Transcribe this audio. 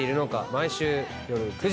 毎週夜９時です。